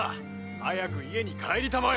早く家に帰りたまえ！